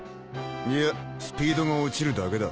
いやスピードが落ちるだけだ。